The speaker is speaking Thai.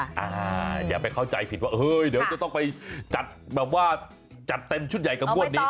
อย่าไปเข้าใจผิดว่าเฮ้ยเดี๋ยวจะต้องไปจัดแบบว่าจัดเต็มชุดใหญ่กับงวดนี้